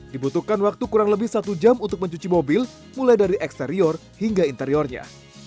dibutuhkan waktu kurang lebih satu jam untuk mencuci mobil mulai dari eksterior hingga interiornya